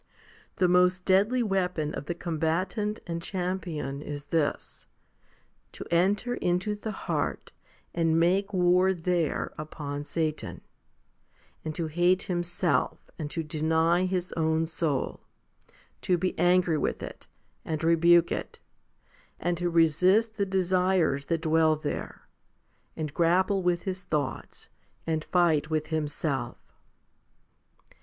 1 The most deadly weapon of the combatant and champion is this, to enter into the heart and make war there upon Satan, and to hate himself and to deny his own soul, to be angry with it and rebuke it, and to resist the desires that dwell there, and grapple with his thoughts, and fight with himself.